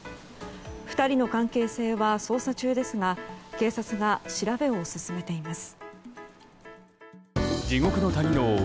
２人の関係性は捜査中ですが警察が調べを進めています。